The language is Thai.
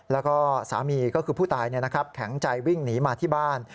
แล้วก็สามีก็คือผู้ตายแข็งใจวิ่งหนีมาที่บ้าน